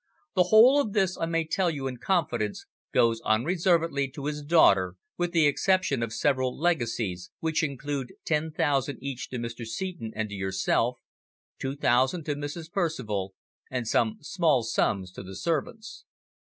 The whole of this, I may tell you in confidence, goes unreservedly to his daughter, with the exception of several legacies, which include ten thousand each to Mr. Seton and to yourself, two thousand to Mrs. Percival, and some small sums to the servants.